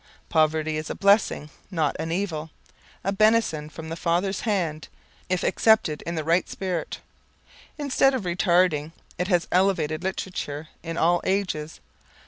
Poverty is a blessing, not an evil, a benison from the Father's hand if accepted in the right spirit. Instead of retarding, it has elevated literature in all ages.